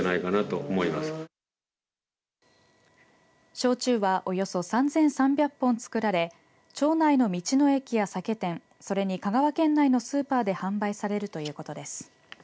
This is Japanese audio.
焼酎は、およそ３３００本造られ町内の道の駅や酒店それに香川県内のスーパーで販売されるということです。